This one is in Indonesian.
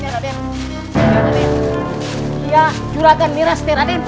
dia juragan miras teradenta